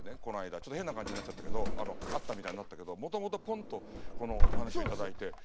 この間ちょっと変な感じになっちゃったけどあったみたいになったけどもともとポンとこのお話を頂いて。